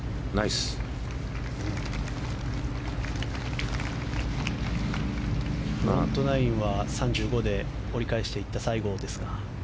フロントナインは３５で折り返していった西郷です。